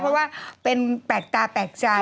เพราะว่าเป็นแปลกตาแปลกใจ